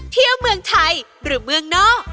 เที่ยวเมืองไทยหรือเมืองนอก